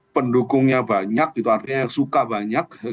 pendukungnya banyak artinya yang suka banyak